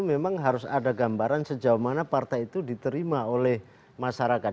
memang harus ada gambaran sejauh mana partai itu diterima oleh masyarakat